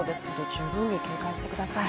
十分に警戒してください。